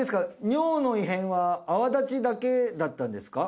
尿の異変は泡立ちだけだったんですか？